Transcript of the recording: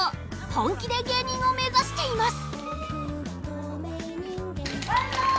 本気で芸人を目指しています。